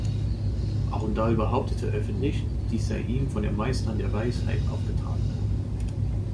Arundale behauptete öffentlich, dies sei ihm von den Meistern der Weisheit aufgetragen worden.